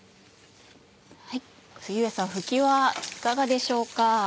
杉上さんふきはいかがでしょうか？